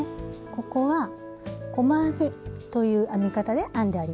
ここは細編みという編み方で編んであります。